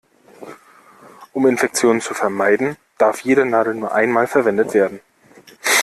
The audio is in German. Um Infektionen zu vermeiden, darf jede Nadel nur einmal verwendet werden.